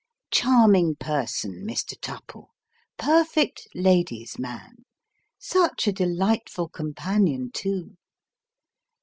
Charming person Mr. Tupple perfect ladies' man such a delight ful companion, too